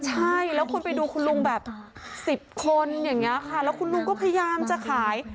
ใช่แล้วคนไปดูคุณลุงแบบ๑๐คนอย่างนี้ค่ะแล้วคุณลุงก็พยายามจะขาย